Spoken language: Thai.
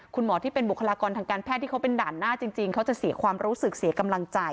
คุณหมอที่เป็นบุคลากรทางการแพทย์ที่เขาเป็นด่านหน้าจริงเขาจะเสียความรู้สึกเสียกำลังใจ